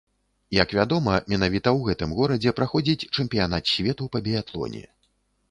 Як вядома, менавіта ў гэтым горадзе праходзіць чэмпіянат свету па біятлоне.